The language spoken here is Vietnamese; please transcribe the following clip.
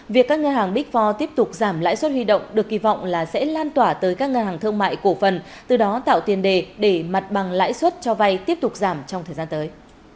việc các ngân hàng big four tiếp tục giảm lãi suất huy động được kỳ vọng là sẽ lan tỏa tới các ngân hàng thương mại cổ phần từ đó tạo tiền đề để mặt bằng lãi suất cho vay tiếp tục giảm trong thời gian tới